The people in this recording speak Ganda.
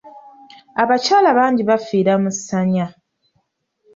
Abakyala bangi baafiira mu ssanya.